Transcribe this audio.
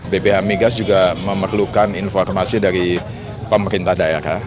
bph migas juga memerlukan informasi dari pemerintah daerah